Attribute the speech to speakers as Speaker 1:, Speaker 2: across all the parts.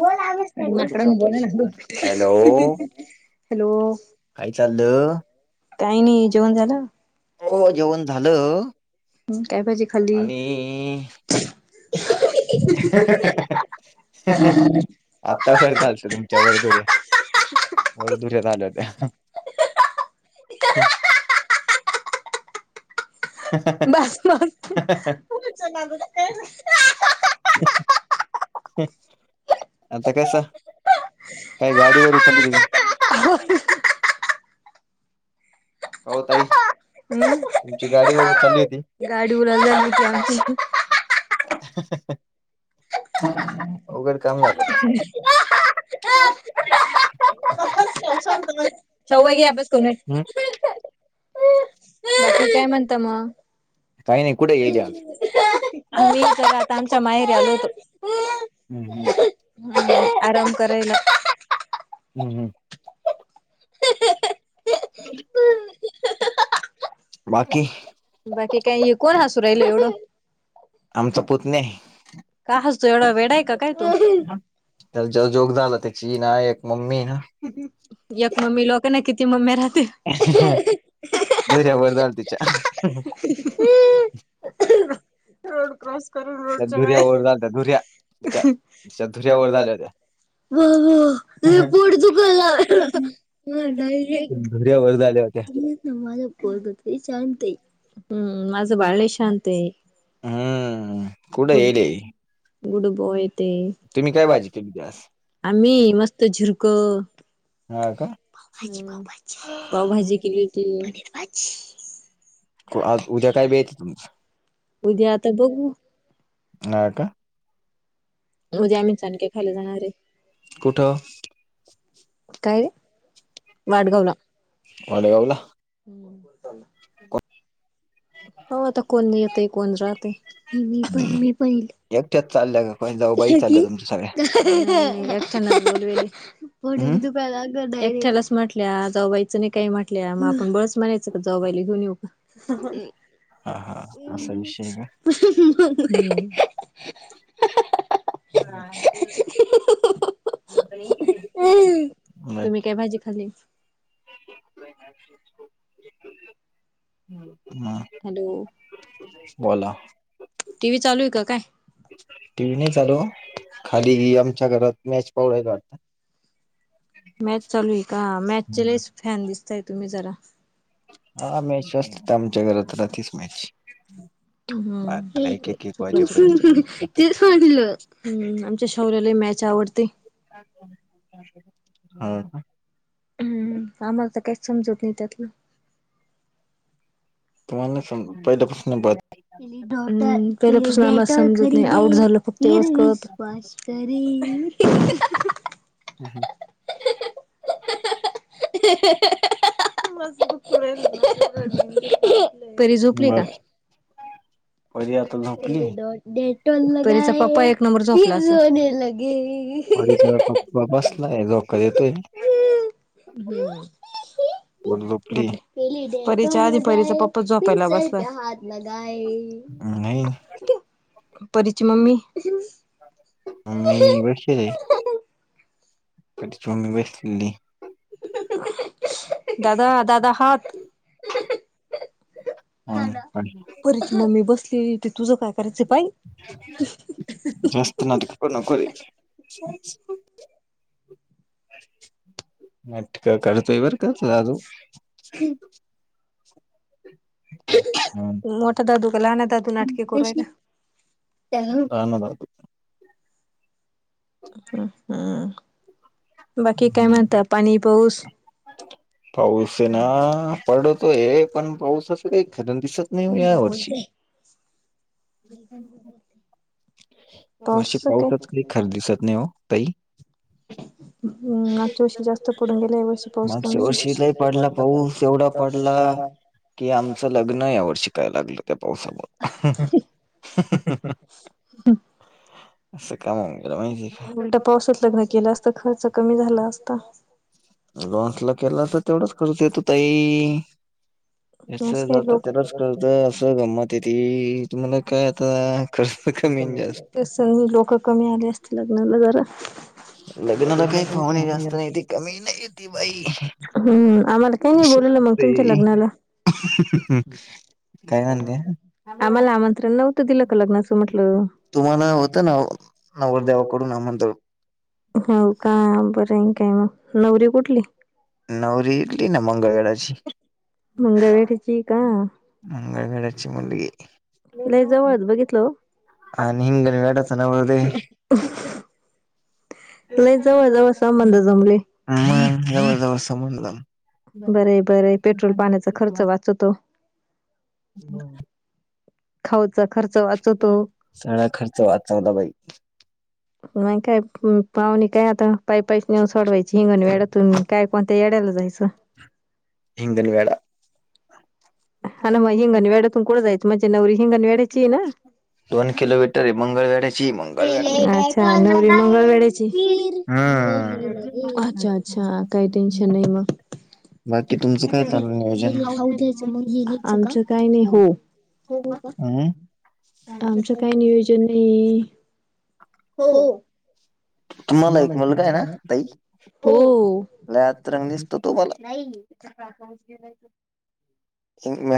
Speaker 1: ग लाकडा गोला लाग.
Speaker 2: हॅलो
Speaker 1: हॅलो
Speaker 2: काय चाललं
Speaker 1: काही नाही जेवण झालं.
Speaker 2: हो जेवण झालं.
Speaker 1: काय भाजी खाल्ली
Speaker 2: आणि आत्ता फर चालत तुम्ही? वदुरे वरदुरे आल्या त्या
Speaker 1: बस बस तु
Speaker 2: आता कसं? काय गाडीवर उचलली. हो तई.
Speaker 1: हम् गाडी उलाला झालीती.
Speaker 2: उघड काम झालं.
Speaker 1: ह हा. सववाय घ अ बसकु
Speaker 2: झालं
Speaker 1: बाकी काय म्हणता मग
Speaker 2: काही नाही कुठे गेली आज
Speaker 1: अ जगात आमच्या माहेरी आल होतो.
Speaker 2: हम्म
Speaker 1: हो बस आराम करायला.
Speaker 2: हम्म हम्म.
Speaker 1: हम.
Speaker 2: बाकी
Speaker 1: बाकी काही कोण हसू राहिल एवढं.
Speaker 2: आमचा पुत नाही आहे.
Speaker 1: काय हस तू एवढा वेडा आहे काय तू?
Speaker 2: त्या जोग झाला त्याची ना एक मम्मी ना.
Speaker 1: एक मम्मी लोक ना किती मम्मी राहते.
Speaker 2: बर व
Speaker 1: हम्. रोड क्रॉस करून रोडच्या वेळे
Speaker 2: धुऱ्यावर झालत्या धुऱ्या
Speaker 1: झा.
Speaker 2: तिच्या धुऱ्यावर झाल्या
Speaker 1: बावा लई
Speaker 2: होत्या
Speaker 1: पोट दुकालाय. [unintelligible] डायरेक्ट
Speaker 2: धुऱ्यावर झाल्या होत्या
Speaker 1: [unintelligible] पोरग [unintelligible] शांतय हम्म माझं बाळ लई शांतय.
Speaker 2: हम्म कुठं येले
Speaker 1: [unintelligible] गुड बॉय. ते
Speaker 2: तुम्ही काय भाजी केलती आ स.
Speaker 1: आम्ही मस्त झिरक -
Speaker 2: हा का
Speaker 1: पावभाजी पावभाजी पावभाजी केली होती पनीर भाजी.
Speaker 2: आ आज उद्या काय बेत हाय तुमचा? उद्या आता बघू. हाय का?
Speaker 1: उद्या आम्ही चाणके खायला जाणार हे. कुठं? काय ओ. वाडगावला.
Speaker 2: वाडगावला.
Speaker 1: हम्. कोण कोण चाललाय.
Speaker 2: [inaudible]
Speaker 1: पाहू आता कोण येतय कोण राहतय ये मी पण मी पहिल
Speaker 2: एकट्याच चालल्या का काय जाऊबाई चालल्या तुमच्या सगळ्या.
Speaker 1: [unintelligible]
Speaker 2: हम्म
Speaker 1: एकट्यालाच म्हटले आज. जावबायचं नाही काही म्हटल्या मग आपण बळच म्हणायचं का जाव बईला घेऊन येऊ का?
Speaker 2: हा हा असा विषय आहे का?
Speaker 1: [unintelligible] तुम्ही
Speaker 2: [unintelligible]
Speaker 1: काय भाजी खाल्ली.
Speaker 2: हम.
Speaker 1: हॅलो
Speaker 2: बोला.
Speaker 1: टी व्ही चालू आहे का काय?
Speaker 2: टी व्ही नाही चालू खाली आमच्या घरात मॅच पाव हायला आता.
Speaker 1: मॅच चालू आहे का मॅचचे
Speaker 2: हम्म.
Speaker 1: लईच फॅन दिसताय तुम्ही जरा.
Speaker 2: हा मॅच असते आमच्या घरात राखीच मॅच.
Speaker 1: हम्म हे
Speaker 2: बारा एक एक एक वाजे
Speaker 1: चुकलं चुकल चूकलं [unintelligible] हम्म आमच्या शौर्या लाही मॅच आवडते.
Speaker 2: [unintelligible] ह हा.
Speaker 1: हम्म आम्हाला तर काहीच समजत नाही त्यातलं.
Speaker 2: तु म्हाला नाई समजत पहिल्याला पासून बाद
Speaker 1: [unintelligible] समजत नाही आउट झालं - [unintelligible]
Speaker 2: हम हम.
Speaker 1: [unintelligible] परी झोपलीये का?
Speaker 2: बाकी परी आता झोप
Speaker 1: परीचा पप्पा एक नंबर झोपला असल.
Speaker 2: परीचा पप्पा बसलाय झोका देतोय. को ड झोपली.
Speaker 1: परीच्या आधी परीचा पप्पाच झोपायला बसलाय.
Speaker 2: नाही.
Speaker 1: परिची मम्मी.
Speaker 2: मम्मी बसलेलीय छोटी ची मम्मी बसलेलीय.
Speaker 1: [unintelligible] दादा दादा हात.
Speaker 2: [unintelligible] हा [unintelligible]
Speaker 1: परीची मम्मी बसलीय आणि तुझ काय करायचं पाई.
Speaker 2: तु नाटक करू नको रे नाटक करतोय बर तू अजून. हा
Speaker 1: मोठा दादू का लहना दादू नाटके करूय ना
Speaker 2: [inaudible]
Speaker 1: हम्म बाकी काय म्हणतं पाणी पाऊस
Speaker 2: पाऊस आहे ना पडतो आहे पण पाऊस असं का खरं दिसत नाही या
Speaker 1: बोलत
Speaker 2: वर्षी वर्षा पाऊसात काही खऱ दिवसात नाही हो ताई
Speaker 1: हम्म मागच्या वर्षी जास्त पडून गेला या वर्षी पाऊस
Speaker 2: मागच्या
Speaker 1: कमी
Speaker 2: वर्षी लय पडला
Speaker 1: [unintelligible]
Speaker 2: कि आमचं लग्न या वर्षी शिकायला लागलं त्या पावसामुळे
Speaker 1: [inaudible]
Speaker 2: असं काम होऊन गेलं माहिती का
Speaker 1: उलटा पावसात लग्न केलं असतं खर्च कमी झाला असता.
Speaker 2: हॉल ला केला तर तेवढाच खर्च येतो ताई असं
Speaker 1: काही
Speaker 2: जात त्यालाच कळत
Speaker 1: लोक
Speaker 2: असं गमत ते तुम्हाला काय आता खर्च कमीन जास्त
Speaker 1: तरी लोकं कमी आले असते लग्नाला जरा
Speaker 2: लग्नाला काही पाहुणे जास्त नाही ती कमी नाही येते बाई
Speaker 1: हम्म आम्हाला काही नाही बोललं मग तुमच्या
Speaker 2: ते
Speaker 1: लग्नाला?
Speaker 2: काय म्हणते?
Speaker 1: आम्हाला आमंत्रण नव्हतं दिल
Speaker 2: तुम्हाला होतं नव नवरदेवाकडून आमंत्रण
Speaker 1: हो का बरं काय मग नवरी कुठली?
Speaker 2: नवरी इथली ना मंगळवेढाची
Speaker 1: मंगळवेढाची काय?
Speaker 2: मंगळवेढयाची मुलगी
Speaker 1: लय जवळ बघितलं
Speaker 2: आणि हिंगणवेढाचा नवरदेव
Speaker 1: लई जवळ जवळ संबंध जमले.
Speaker 2: जवळ जवळ समजलं
Speaker 1: बर बरं पेट्रोल पाण्याचा खर्च वाचवतो. खाऊच खर्च वाचतो
Speaker 2: सगळा खर्च वाचवला बाई
Speaker 1: मग काय पाहुणी काय आता पायपाईस नेऊन सोडवायची हिंगण वेड्यातून काय कोणत्या येड्यायला जायचं.
Speaker 2: हिंगन वेळा आ म
Speaker 1: आणि मग
Speaker 2: मण
Speaker 1: हिंगण वेड्यातून कुठं जायचं म्हणजे नवरी हिंगण वेड्याची आहे ना
Speaker 2: [unintelligible] दोन किलोमीटर आहे मंगळवेडा हम्म
Speaker 1: पहिले काय कांदा
Speaker 2: मंगळवेढा
Speaker 1: काय फिर दोन्ही
Speaker 2: हम्म
Speaker 1: लगे अच्छा अच्छा काही टेंशन नाही मग
Speaker 2: बाकी तुमचं काय चालू नियोजन?
Speaker 1: खाऊथयच म [unintelligible] काही नाही हो हो का
Speaker 2: हम्म
Speaker 1: आमचं काय नियोजन नाही हो
Speaker 2: तुम्हाला एक मुलगा आहे ना ताई
Speaker 1: हो.
Speaker 2: लय बघू आता
Speaker 1: [unintelligible]
Speaker 2: म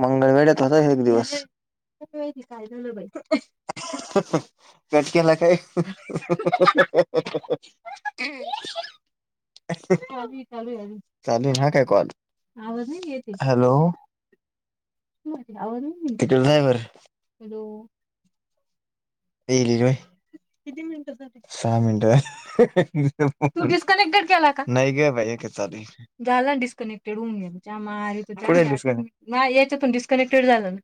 Speaker 2: मंगळवेढ येत होता एक दिवस कटक्याला काय [unintelligible] [inaudible] चालू ह काय कॉल हॅलो [unintelligible] [unintelligible] सहा मिनटे तु डिसकनेक्टेड केला नाही ग बाई चालू आहे. झाला ना डिस्कनेक्टेड होऊन घे नाही याच्यातून डिस्कनेक्टेड झालं ना.